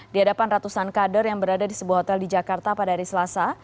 di hadapan ratusan kader yang berada di sebuah hotel di jakarta pada hari selasa